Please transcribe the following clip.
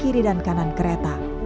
kiri dan kanan kereta